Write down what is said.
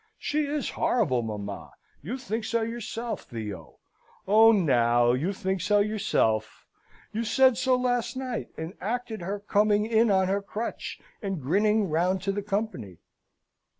She is horrible, mamma. You think so yourself, Theo! Own, now, you think so yourself! You said so last night, and acted her coming in on her crutch, and grinning round to the company."